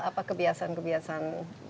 apa kebiasaan kebiasaan baiknya